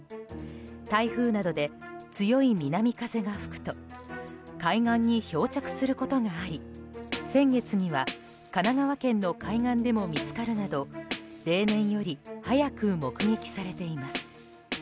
台風などで強い南風が吹くと海岸に漂着することがあり先月には神奈川県の海岸でも見つかるなど例年より早く目撃されています。